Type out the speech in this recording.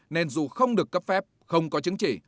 nên dù không được cấp phép không có chứng chỉ